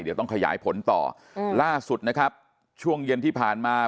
เดี๋ยวต้องขยายผลต่ออืมล่าสุดนะครับช่วงเย็นที่ผ่านมา